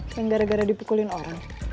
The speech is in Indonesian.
yang gara gara dipukulin orang